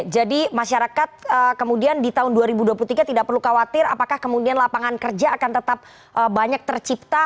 jadi masyarakat kemudian di tahun dua ribu dua puluh tiga tidak perlu khawatir apakah kemudian lapangan kerja akan tetap banyak tercipta